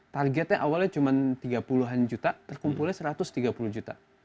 targetnya awalnya cuma tiga puluh an juta terkumpulnya satu ratus tiga puluh juta